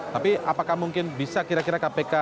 tapi apakah mungkin bisa kira kira kpk